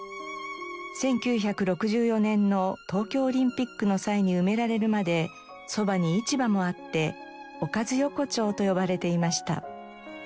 １９６４年の東京オリンピックの際に埋められるまでそばに市場もあっておかず横丁と呼ばれていました。